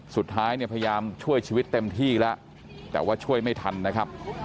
สุดท้ายเนี่ยพยายามช่วยชีวิตเต็มที่แล้วแต่ว่าช่วยไม่ทันนะครับ